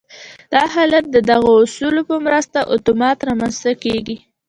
دا حالت د دغو اصولو په مرسته اتومات رامنځته کېږي